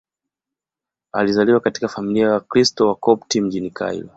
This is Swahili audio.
Alizaliwa katika familia ya Wakristo Wakopti mjini Kairo.